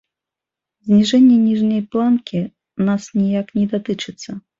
Зніжэнне ніжняй планкі нас ніяк не датычыцца.